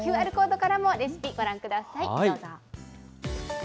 ＱＲコードからもレシピご覧ください、どうぞ。